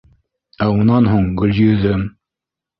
Ә унан һуң — Гөлйөҙөм!..